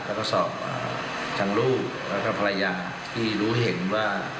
แล้วก็สอบทางลูกแล้วก็ทางภรรยาที่เห็นว่า